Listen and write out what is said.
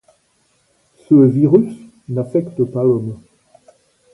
Ce virus n'affecte pas l'Homme.